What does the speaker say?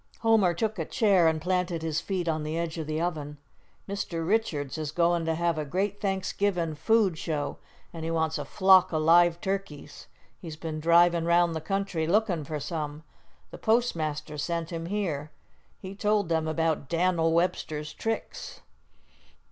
Homer took a chair and planted his feet on the edge of the oven. "Mr. Richards is goin' to have a great Thanksgivin' food show, an' he wants a flock o' live turkeys. He's been drivin' round the country lookin' for some. The postmaster sent him here. He told him about Dan'l Webster's tricks."